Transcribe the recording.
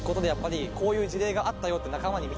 こういう事例があったよって。